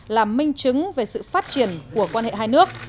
hình chứng về sự phát triển của quan hệ hai nước